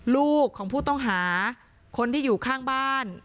ลูกของผู้ต้องหาคนที่อยู่ข้างบ้าน